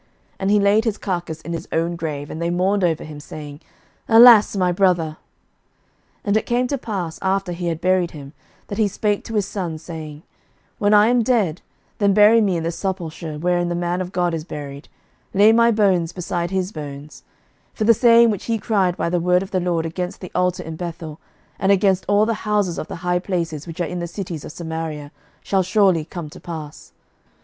11:013:030 And he laid his carcase in his own grave; and they mourned over him, saying, Alas, my brother! 11:013:031 And it came to pass, after he had buried him, that he spake to his sons, saying, When I am dead, then bury me in the sepulchre wherein the man of God is buried; lay my bones beside his bones: 11:013:032 For the saying which he cried by the word of the LORD against the altar in Bethel, and against all the houses of the high places which are in the cities of Samaria, shall surely come to pass.